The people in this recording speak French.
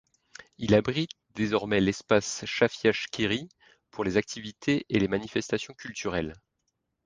Il abrite désormais l’Espace Chafia-Skhiri pour les activités et les manifestations culturelles.